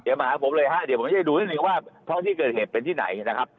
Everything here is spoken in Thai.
เดี๋ยวมาหาผมเลยฮะเดี๋ยวผมจะดูนิดนึงว่าท้องที่เกิดเหตุเป็นที่ไหนนะครับ